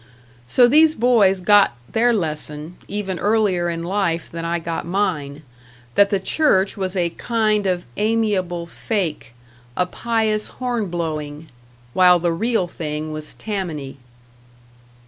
So these boys got their lesson, even earlier in life than I got mine that the church was a kind of amiable fake, a pious horn blowing; while the real thing was Tammany.